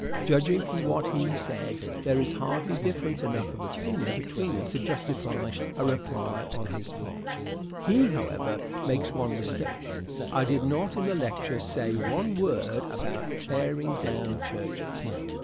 Judging from what he said there is hardly difference enough of opinion between us to justify a reply on his part. He, however, makes one mistake. I did not in the lecture say one word about tearing down churches.